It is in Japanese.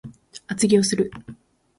厚着をする